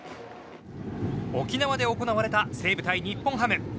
沖縄で行われた西武対日本ハム。